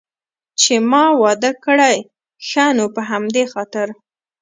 چې ما واده کړی، ښه نو په همدې خاطر.